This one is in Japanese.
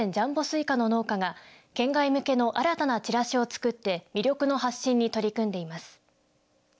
西瓜の農家が県外向けの新たなチラシを作って魅力の発信に取り組んでいます。